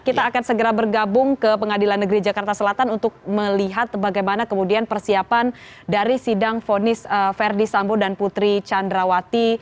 kita akan segera bergabung ke pengadilan negeri jakarta selatan untuk melihat bagaimana kemudian persiapan dari sidang fonis verdi sambo dan putri candrawati